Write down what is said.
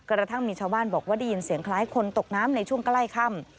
กระทั่งมีชาวบ้านบอกว่าได้ยินเสียงคล้ายคนตกน้ำในช่วงใกล้ค่ำ